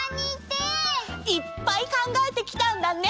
いっぱい考えてきたんだね！